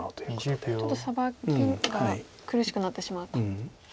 ちょっとサバキが苦しくなってしまうと。